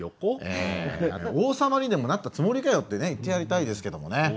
王様にでもなったつもりかよって言ってやりたいですけどもね。